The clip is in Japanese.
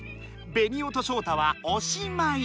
ベニオとショウタは「おしまい」。